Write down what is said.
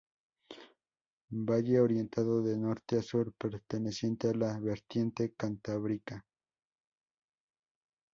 Valle orientado de norte a sur perteneciente a la vertiente cantábrica.